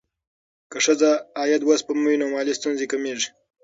که ښځه عاید وسپموي، نو مالي ستونزې کمېږي.